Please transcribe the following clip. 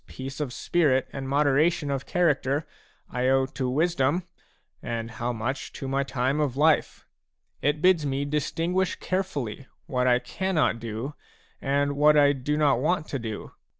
peace of spirit and moderation of character I owe to wisdom and how much to my time of life ; it bids me distinguish carefully what I cannot do and what I do not want to do.